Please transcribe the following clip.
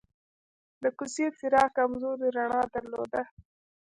د کوڅې څراغ کمزورې رڼا درلوده.